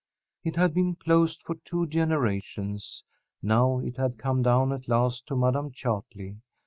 It had been closed for two generations. Now it had come down at last to Madam Chartley.